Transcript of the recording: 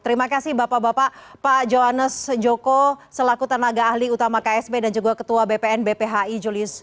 terima kasih bapak bapak pak johannes joko selaku tenaga ahli utama ksp dan juga ketua bpn bphi julius